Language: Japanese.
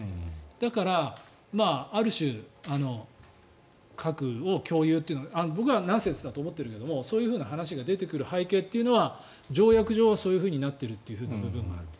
だから、ある種核を共有っていうのは僕はナンセンスだと思ってるんだけどもそういう話が出てくる背景というのは条約上はそうなっているという部分がある。